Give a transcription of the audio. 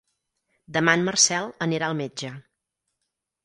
Demà en Marcel anirà al metge.